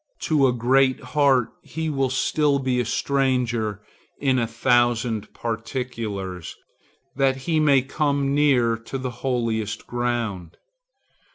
To a great heart he will still be a stranger in a thousand particulars, that he may come near in the holiest ground.